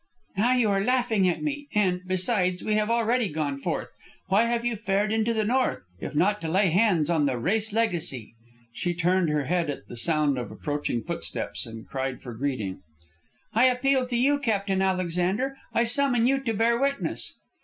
"Now you are laughing at me, and, besides, we have already gone forth. Why have you fared into the north, if not to lay hands on the race legacy?" She turned her head at the sound of approaching footsteps, and cried for greeting, "I appeal to you, Captain Alexander! I summon you to bear witness!"